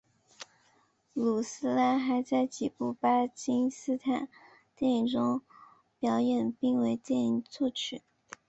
努斯拉还在几部巴基斯坦电影中表演并为电影作曲。